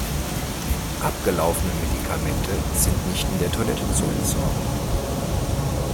Abgelaufene Medikamente sind nicht in der Toilette zu entsorgen.